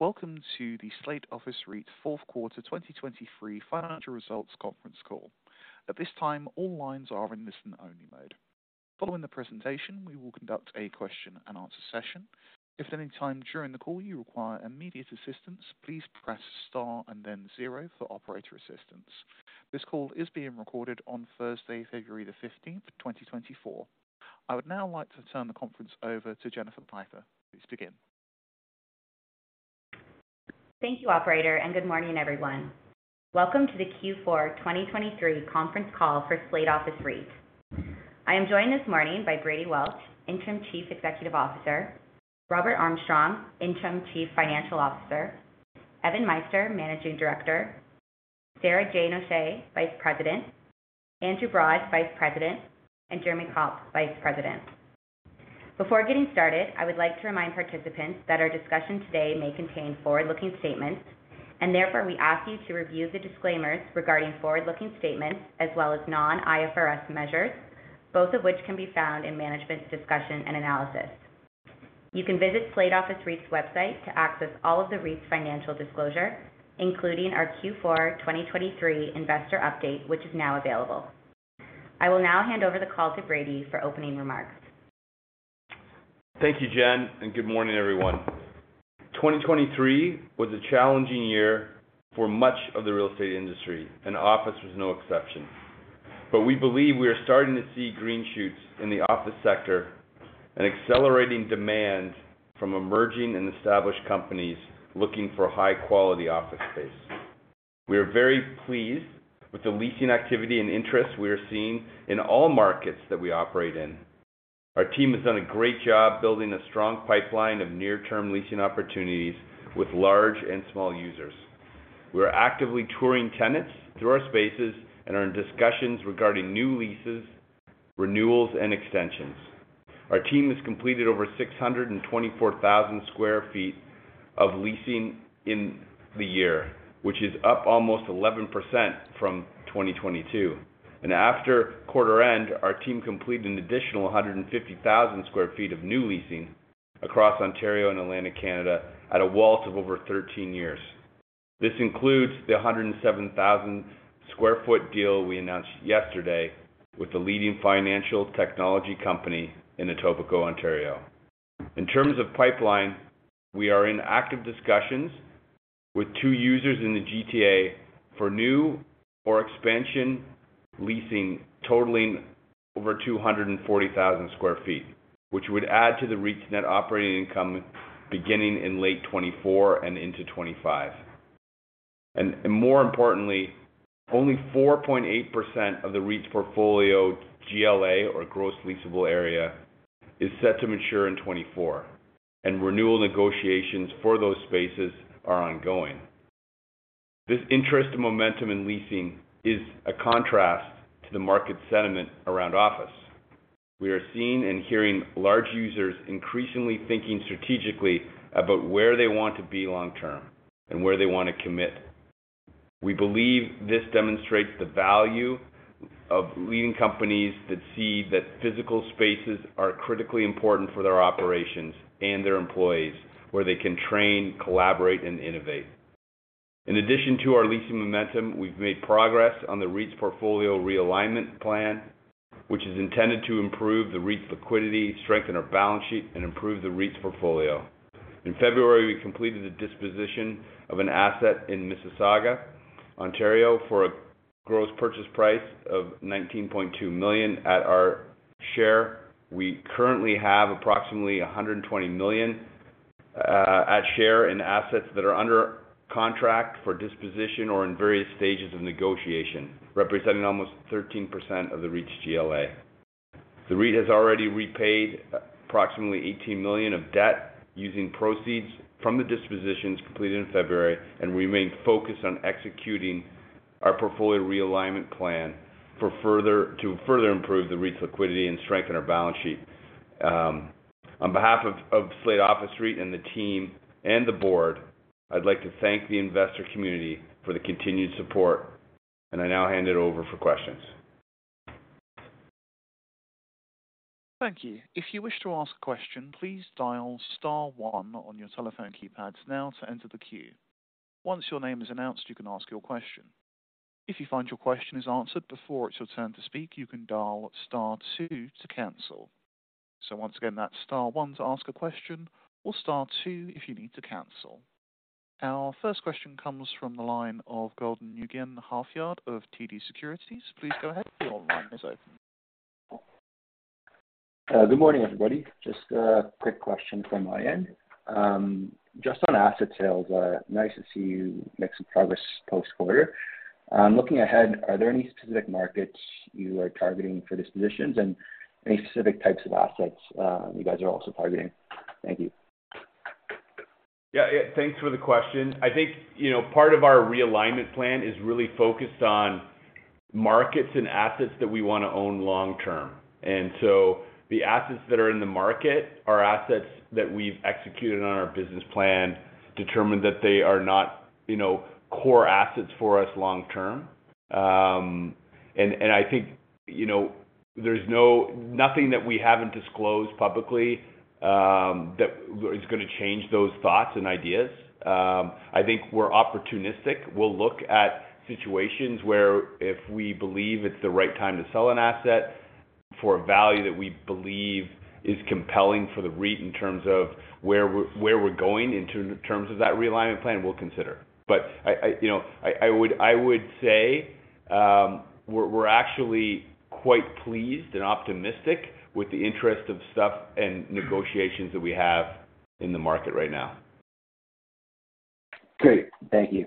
Welcome to the Slate Office REIT fourth quarter 2023 financial results conference call. At this time, all lines are in listen-only mode. Following the presentation, we will conduct a question-and-answer session. If at any time during the call you require immediate assistance, please press star and then zero for operator assistance. This call is being recorded on Thursday, February 15th, 2024. I would now like to turn the conference over to Jennifer Pyper. Please begin. Thank you, operator, and good morning, everyone. Welcome to the Q4 2023 conference call for Slate Office REIT. I am joined this morning by Brady Welch, Interim Chief Executive Officer, Robert Armstrong, Interim Chief Financial Officer, Evan Meister, Managing Director, Sarah Jane O'Shea, Vice President, Andrew Broad, Vice President, and Jeremy Kaupp, Vice President. Before getting started, I would like to remind participants that our discussion today may contain forward-looking statements, and therefore we ask you to review the disclaimers regarding forward-looking statements as well as non-IFRS measures, both of which can be found in management's discussion and analysis. You can visit Slate Office REIT's website to access all of the REIT's financial disclosure, including our Q4 2023 investor update, which is now available. I will now hand over the call to Brady for opening remarks. Thank you, Jen, and good morning, everyone. 2023 was a challenging year for much of the real estate industry, and office was no exception. But we believe we are starting to see green shoots in the office sector and accelerating demand from emerging and established companies looking for high-quality office space. We are very pleased with the leasing activity and interest we are seeing in all markets that we operate in. Our team has done a great job building a strong pipeline of near-term leasing opportunities with large and small users. We are actively touring tenants through our spaces and are in discussions regarding new leases, renewals, and extensions. Our team has completed over 624,000 sq ft of leasing in the year, which is up almost 11% from 2022. And after quarter end, our team completed an additional 150,000 sq ft of new leasing across Ontario and Atlantic Canada at a WALT of over 13 years. This includes the 107,000 sq ft deal we announced yesterday with the leading financial technology company in Etobicoke, Ontario. In terms of pipeline, we are in active discussions with two users in the GTA for new or expansion leasing, totaling over 240,000 sq ft, which would add to the REIT's net operating income beginning in late 2024 and into 2025. And more importantly, only 4.8% of the REIT's portfolio, GLA or Gross Leasable Area, is set to mature in 2024, and renewal negotiations for those spaces are ongoing. This interest and momentum in leasing is a contrast to the market sentiment around office. We are seeing and hearing large users increasingly thinking strategically about where they want to be long term and where they want to commit. We believe this demonstrates the value of leading companies that see that physical spaces are critically important for their operations and their employees, where they can train, collaborate, and innovate. In addition to our leasing momentum, we've made progress on the REIT's portfolio realignment plan, which is intended to improve the REIT's liquidity, strengthen our balance sheet, and improve the REIT's portfolio. In February, we completed a disposition of an asset in Mississauga, Ontario, for a gross purchase price of 19.2 million at our share. We currently have approximately 120 million at share in assets that are under contract for disposition or in various stages of negotiation, representing almost 13% of the REIT's GLA. The REIT has already repaid approximately 18 million of debt using proceeds from the dispositions completed in February, and we remain focused on executing our portfolio realignment plan to further improve the REIT's liquidity and strengthen our balance sheet. On behalf of Slate Office REIT and the team and the board, I'd like to thank the investor community for the continued support, and I now hand it over for questions. Thank you. If you wish to ask a question, please dial star one on your telephone keypads now to enter the queue. Once your name is announced, you can ask your question. If you find your question is answered before it's your turn to speak, you can dial star two to cancel. So once again, that's star one to ask a question or star two if you need to cancel. Our first question comes from the line of Golden Nguyen-Halfyard of TD Securities. Please go ahead. Your line is open. Good morning, everybody. Just a quick question from my end. Just on asset sales, nice to see you make some progress post-quarter. Looking ahead, are there any specific markets you are targeting for dispositions and any specific types of assets, you guys are also targeting? Thank you. Yeah, yeah. Thanks for the question. I think, you know, part of our realignment plan is really focused on markets and assets that we want to own long term. And so the assets that are in the market are assets that we've executed on our business plan, determined that they are not, you know, core assets for us long term. And I think, you know, there's nothing that we haven't disclosed publicly that is gonna change those thoughts and ideas. I think we're opportunistic. We'll look at situations where if we believe it's the right time to sell an asset for a value that we believe is compelling for the REIT, in terms of where we're going in terms of that realignment plan, we'll consider. But you know, I would say, we're actually quite pleased and optimistic with the interest of stuff and negotiations that we have in the market right now. Great. Thank you.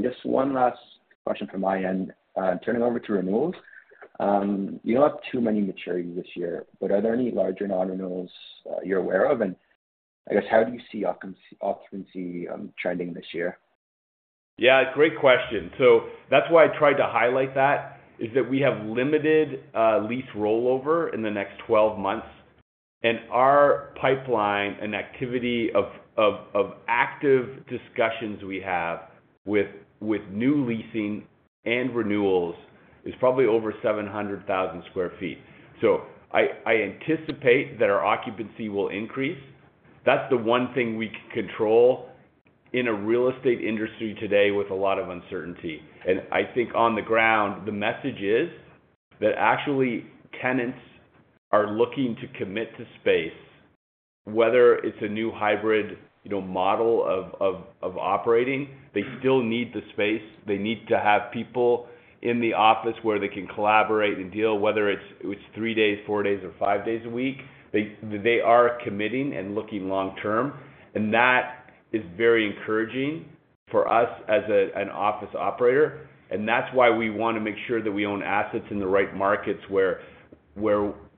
Just one last question from my end. Turning over to renewals, you don't have too many maturities this year, but are there any larger non-renewals you're aware of? And I guess, how do you see occupancy trending this year? Yeah, great question. So that's why I tried to highlight that, is that we have limited lease rollover in the next 12 months, and our pipeline and activity of active discussions we have with new leasing and renewals is probably over 700,000 sq ft. So I anticipate that our occupancy will increase. That's the one thing we can control in a real estate industry today with a lot of uncertainty. And I think on the ground, the message is that actually tenants are looking to commit to space, whether it's a new hybrid, you know, model of operating, they still need the space. They need to have people in the office where they can collaborate and deal, whether it's three days, four days, or five days a week. They are committing and looking long term, and that is very encouraging for us as an office operator. That's why we want to make sure that we own assets in the right markets where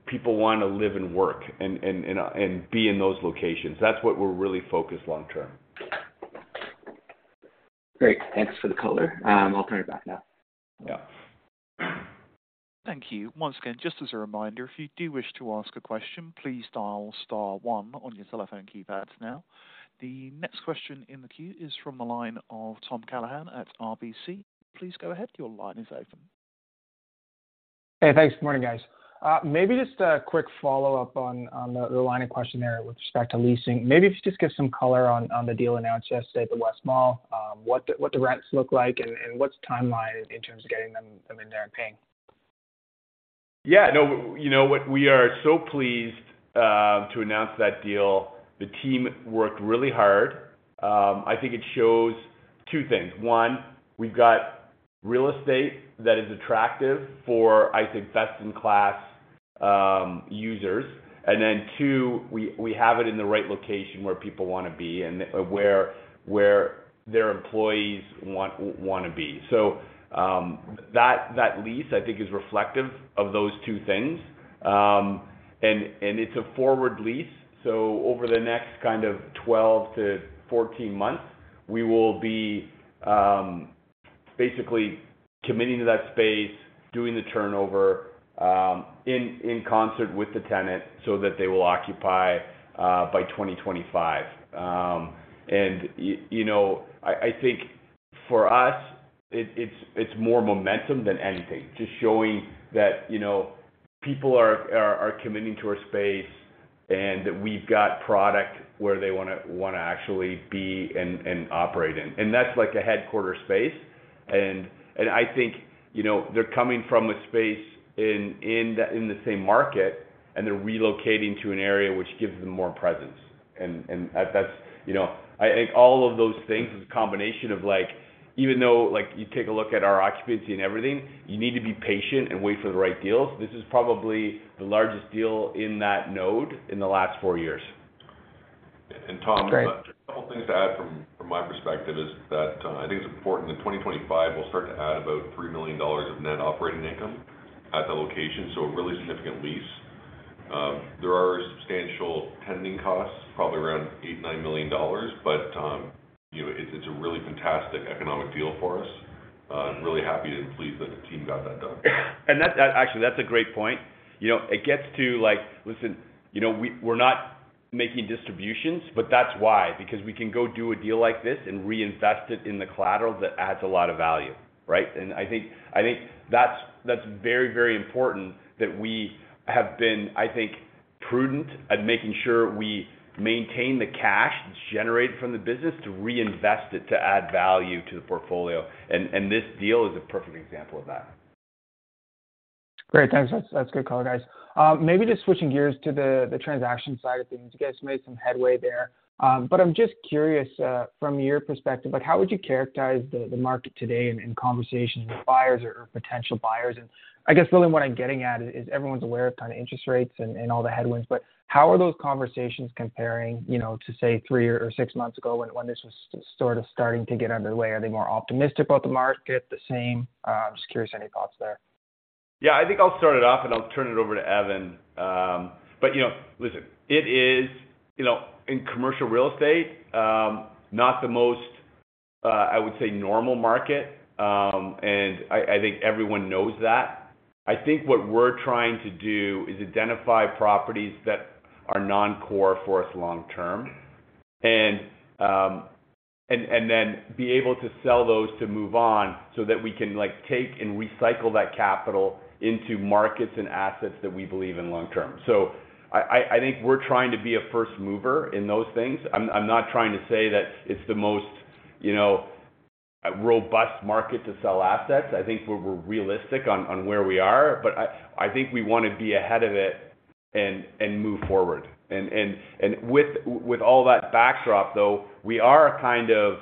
people want to live and work and be in those locations. That's what we're really focused long term. Great. Thanks for the color. I'll turn it back now. Yeah. Thank you. Once again, just as a reminder, if you do wish to ask a question, please dial star one on your telephone keypads now. The next question in the queue is from the line of Tom Callaghan at RBC. Please go ahead. Your line is open. Hey, thanks. Good morning, guys. Maybe just a quick follow-up on the line of questioning there with respect to leasing. Maybe if you just give some color on the deal announced yesterday at the West Mall, what the rents look like and what's the timeline in terms of getting them in there and paying? Yeah, no, you know what? We are so pleased to announce that deal. The team worked really hard. I think it shows two things: one, we've got real estate that is attractive for, I think, best-in-class users, and then, two, we have it in the right location where people want to be and where their employees want to be. So, that lease, I think, is reflective of those two things. And it's a forward lease, so over the next kind of 12-14 months, we will be basically committing to that space, doing the turnover in concert with the tenant so that they will occupy by 2025. And you know, I think for us, it's more momentum than anything. Just showing that, you know, people are committing to our space, and that we've got product where they wanna actually be and operate in. And that's like a headquarters space, and I think, you know, they're coming from a space in the same market, and they're relocating to an area which gives them more presence. And that's, you know... I think all of those things is a combination of, like, even though, like, you take a look at our occupancy and everything, you need to be patient and wait for the right deals. This is probably the largest deal in that node in the last four years. And Tom- Great. Just a couple things to add from my perspective is that, I think it's important that in 2025, we'll start to add about 3 million dollars of net operating income at the location, so a really significant lease. There are substantial tenanting costs, probably around 8 million-9 million dollars, but, you know, it's a really fantastic economic deal for us. I'm really happy and pleased that the team got that done. And actually, that's a great point. You know, it gets to like... Listen, you know, we're not making distributions, but that's why, because we can go do a deal like this and reinvest it in the collateral that adds a lot of value, right? And I think that's very, very important that we have been, I think, prudent at making sure we maintain the cash that's generated from the business to reinvest it, to add value to the portfolio. And this deal is a perfect example of that. Great. Thanks. That's, that's good color, guys. Maybe just switching gears to the transaction side of things. You guys made some headway there, but I'm just curious, from your perspective, like, how would you characterize the market today in conversations with buyers or potential buyers? And I guess really what I'm getting at is everyone's aware of kind of interest rates and all the headwinds, but how are those conversations comparing, you know, to, say, three or six months ago when this was sort of starting to get underway? Are they more optimistic about the market, the same? I'm just curious, any thoughts there? Yeah, I think I'll start it off and I'll turn it over to Evan. But, you know, listen, it is, you know, in commercial real estate, not the most, I would say, normal market. And I think everyone knows that. I think what we're trying to do is identify properties that are non-core for us long term, and then be able to sell those to move on so that we can, like, take and recycle that capital into markets and assets that we believe in long term. So I think we're trying to be a first mover in those things. I'm not trying to say that it's the most, you know, robust market to sell assets. I think we're realistic on where we are, but I think we want to be ahead of it and with all that backdrop, though, we are kind of,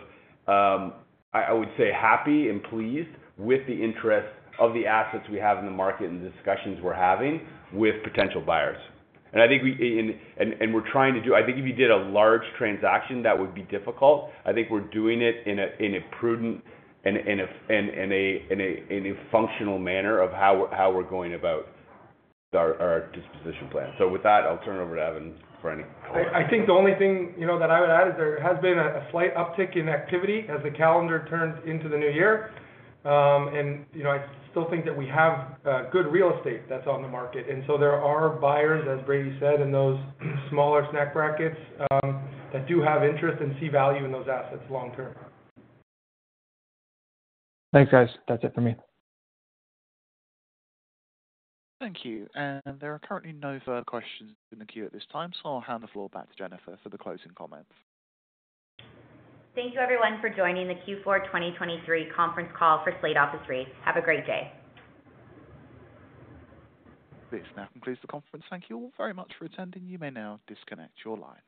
I would say, happy and pleased with the interest of the assets we have in the market and the discussions we're having with potential buyers. And I think we're trying to do—I think if you did a large transaction, that would be difficult. I think we're doing it in a prudent and in a functional manner of how we're going about our disposition plan. So with that, I'll turn it over to Evan for any comment. I think the only thing, you know, that I would add is there has been a slight uptick in activity as the calendar turns into the new year. And, you know, I still think that we have good real estate that's on the market. And so there are buyers, as Brady said, in those smaller snack brackets that do have interest and see value in those assets long term. Thanks, guys. That's it for me. Thank you. There are currently no further questions in the queue at this time, so I'll hand the floor back to Jennifer for the closing comments. Thank you, everyone, for joining the Q4 2023 conference call for Slate Office REIT. Have a great day! This now concludes the conference. Thank you all very much for attending. You may now disconnect your line.